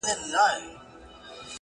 هره پوښتنه د پوهېدو زینه ده’